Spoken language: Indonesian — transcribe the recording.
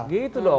nah itu boleh